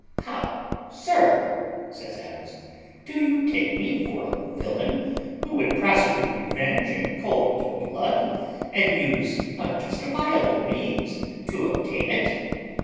"How, sir," says Adams, "do you take me for a villain, who would prosecute revenge in cold blood, and use unjustifiable means to obtain it?